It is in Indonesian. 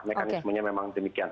mekanismenya memang demikian